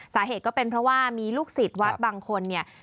สาเหตุก็เป็นเพราะว่ามีลูกศิษย์วัดบางคนเนี่ย